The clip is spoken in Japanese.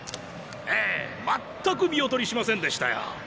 ええ全く見劣りしませんでしたよ。